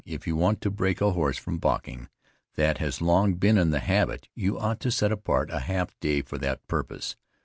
If you want to break a horse from balking that has long been in that habit, you ought to set apart a half day for that purpose.